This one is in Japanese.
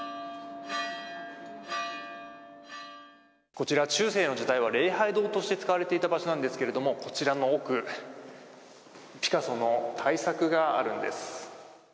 こちら、中世の時代は礼拝堂として使われていた場所なんですけれども、こちらの奥、ピカソの大作があるんです。